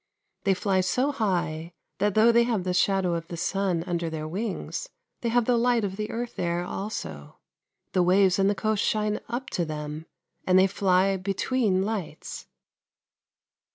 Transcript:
They fly so high that though they have the shadow of the sun under their wings, they have the light of the earth there also. The waves and the coast shine up to them, and they fly between lights.